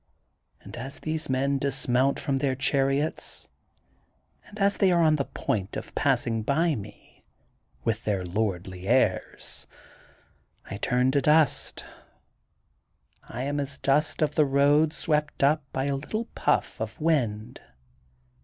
And as these men dismount from their char iots, and as they are on the point of passing by me, with their lordly airs, I turn to dust. I am as dust of the road swept up by a little puff of wind.